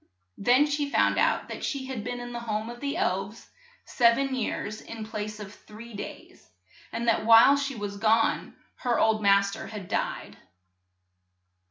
Then she found out that she had been in the home of the elves sev en years in place of three days, and that while she was gone her old mas ter had died.